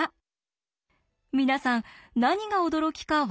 皆さん何が驚きか分かりましたか？